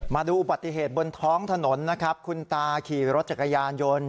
มาดูอุบัติเหตุบนท้องถนนนะครับคุณตาขี่รถจักรยานยนต์